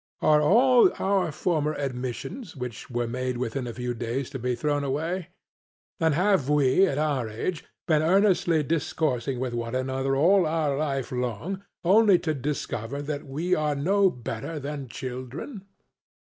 Are all our former admissions which were made within a few days to be thrown away? And have we, at our age, been earnestly discoursing with one another all our life long only to discover that we are no better than children?